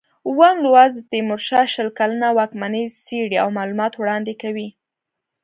اووم لوست د تیمورشاه شل کلنه واکمني څېړي او معلومات وړاندې کوي.